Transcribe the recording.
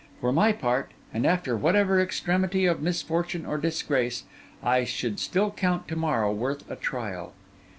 For my part, and after whatever extremity of misfortune or disgrace, I should still count to morrow worth a trial.